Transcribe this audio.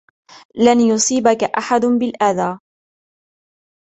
لن يصبك أحد بالأذى.